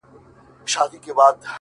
• حیوانان له وهمه تښتي خپل پردی سي,